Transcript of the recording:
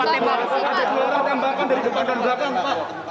ada dua orang tembakan dari depan dan belakang pak